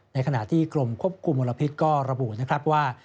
ในขณะที่กรมควบคุมมลพิษก็ระบุนะครับว่า